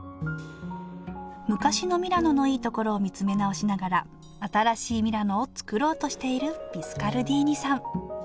昔のミラノのいいところを見つめ直しながら新しいミラノをつくろうとしているビスカルディーニさん